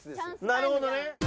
なるほどね。